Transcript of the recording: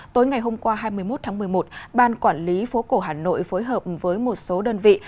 tối ngày hôm qua hai mươi một tháng một mươi một ban quản lý phố cổ hà nội phối hợp với một số đơn vị